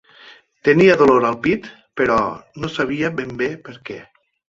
Tenia dolor al pit, però no sabia ben bé per què.